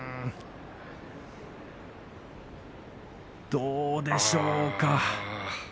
どうでしょうか。